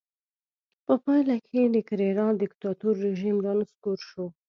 په پایله کې د کرېرارا دیکتاتور رژیم رانسکور شو.